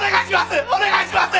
お願いします！